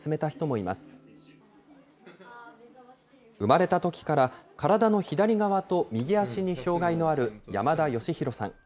生まれたときから体の左側と右足に障害のある山田佳弘さん。